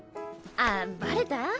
あバレた？